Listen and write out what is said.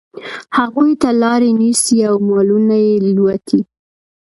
هغوی ته لاري نیسي او مالونه یې لوټي.